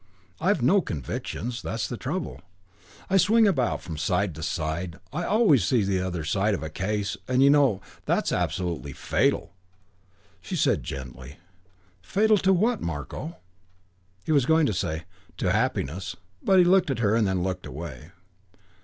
I've no convictions; that's the trouble. I swing about from side to side. I always can see the other side of a case, and you know, that's absolutely fatal " She said gently, "Fatal to what, Marko?" He was going to say, "To happiness"; but he looked at her and then looked away.